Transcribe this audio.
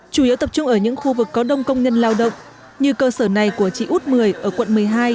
chủ yếu tập trung ở những khu vực có đông công nhân lao động như cơ sở này của chị út mười ở quận một mươi hai